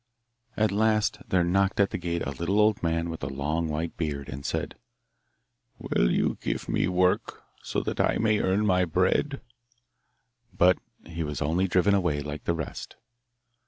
At last there knocked at the gate a little old man with a long white beard, and said, 'Will you give me work, so that I may earn my bread?' But he was only driven away like the rest.